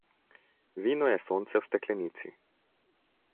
Vino je sonce v steklenici.